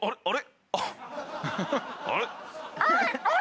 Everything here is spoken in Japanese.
あれ？